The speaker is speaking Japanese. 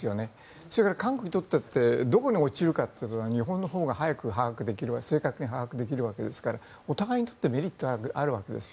それから韓国にとったってどこに落ちるかというと日本のほうが早く正確に把握できるわけですからお互いにとってメリットがあるわけですよ。